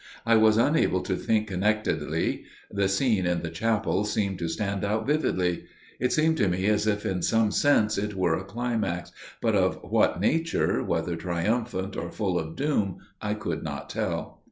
I was unable to think connectedly. The scene in the chapel seemed to stand out vividly. It seemed to me as if in some sense it were a climax, but of what nature, whether triumphant or full of doom, I could not tell.